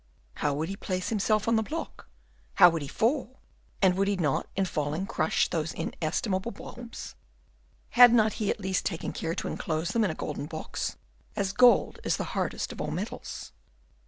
How would he place himself on the block? how would he fall? and would he not, in falling, crush those inestimable bulbs? had not he at least taken care to enclose them in a golden box, as gold is the hardest of all metals?